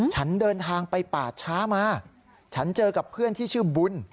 ฉันเดินทางไปป่าช้ามาฉันเจอกับเพื่อนที่ชื่อบุญ